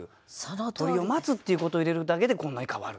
「鳥を待つ」っていうことを入れるだけでこんなに変わる。